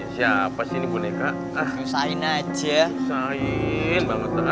siapa sih boneka ah usahain aja saya